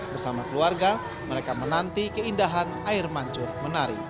bersama keluarga mereka menanti keindahan air mancur menari